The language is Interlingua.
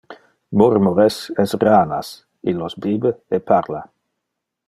Murmures es ranas, illos bibe e parla.